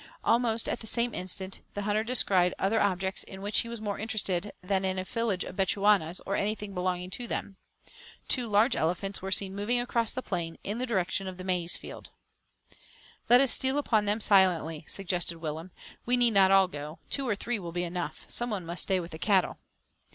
Almost at the same instant, the hunter descried other objects in which he was more interested than in a village of Bechuanas, or anything belonging to them. Two large elephants were seen moving across the plain, in the direction of the maize field. "Let us steal upon them silently," suggested Willem. "We need not all go. Two or three will be enough. Some one must stay with the cattle."